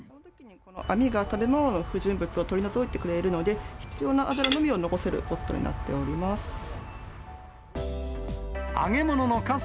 網が食べ物の不純物を取り除いてくれるので、必要な油のみを残せるポットになっております。